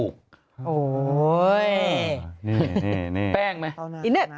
เนี่ยเนี่ยเนี่ย